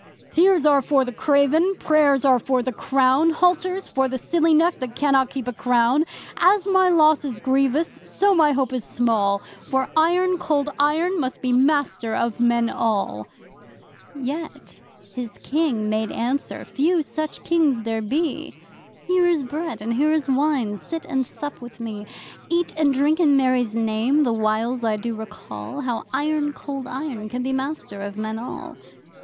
'Tears are for the craven, prayers are for the clown Halters for the silly neck that cannot keep a crown.' 'As my loss is grievous, so my hope is small, For Iron Cold Iron must be master of men all!' Yet his King made answer (few such Kings there be!) 'Here is Bread and here is Wine sit and sup with me. Eat and drink in Mary's Name, the whiles I do recall How Iron Cold Iron can be master of men all!